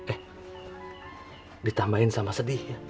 eh ditambahin sama sedih ya